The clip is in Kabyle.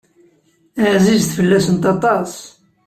Ɛzizet fell-asent aṭas.